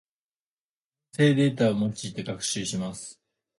音声データを用いて学習します。